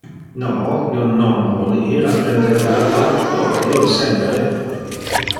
No, io non vole ir a prender le aqua! Proque io sempre?